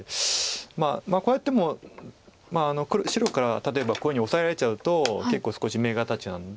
まあこうやっても白から例えばこういうふうにオサえられちゃうと結構少し眼形なので。